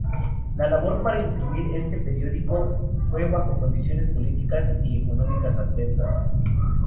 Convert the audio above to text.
La labor para imprimir este periódico fue bajo condiciones políticas y económicas adversas.